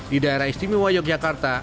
di daerah istimewa yogyakarta